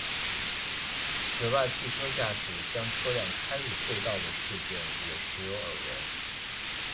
此外汽车驾驶将车辆开入隧道的事件也时有耳闻。